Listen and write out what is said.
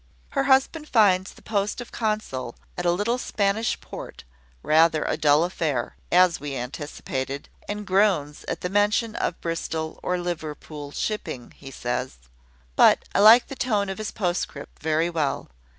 Her husband finds the post of consul at a little Spanish port rather a dull affair, as we anticipated, and groans at the mention of Bristol or Liverpool shipping, he says. But I like the tone of his postscript very well.